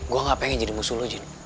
gue gak pengen jadi musuh lo jin